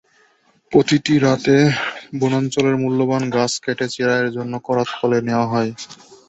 প্রতি রাতে বনাঞ্চলের মূল্যবান গাছ কেটে চেরাইয়ের জন্য করাতকলে নেওয়া হয়।